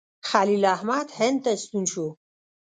خلیل احمد هند ته ستون شو.